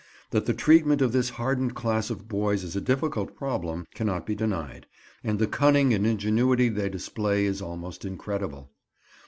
That the treatment of this hardened class of boys is a difficult problem, cannot be denied, and the cunning and ingenuity they display is almost incredible.